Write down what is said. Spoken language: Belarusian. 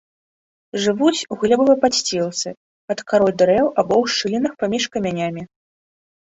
Жывуць у глебавай падсцілцы, пад карой дрэў або ў шчылінах паміж камянямі.